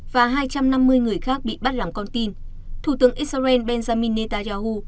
và hai trăm năm mươi người khác bị bắt làm con tin thủ tướng israel benjamin netanyahu